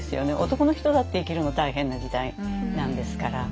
男の人だって生きるの大変な時代なんですから。